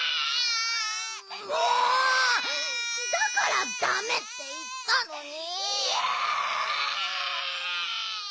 だからだめっていったのに。